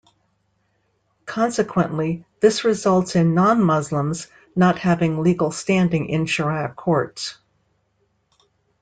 Consequently, this results in non-Muslims not having legal standing in Syariah Courts.